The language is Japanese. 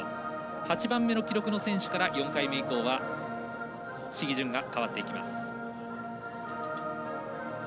８番目の記録の選手から４回目以降は試技順がかわっていきます。